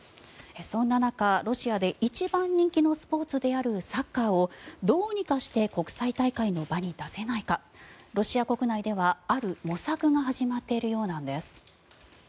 そんな中、ロシアで一番人気のスポーツであるサッカーをどうにかして国際大会の場に出せないかロシア国内では、ある模索が始まっているようなんです。